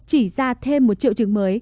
chỉ ra thêm một triệu chứng mới